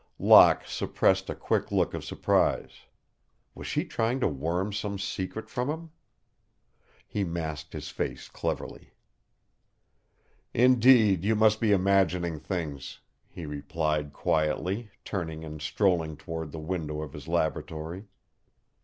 Locke suppressed a quick look of surprise. Was she trying to worm some secret from him? He masked his face cleverly. "Indeed, you must be imagining things," he replied, quietly, turning and strolling toward the window of his laboratory.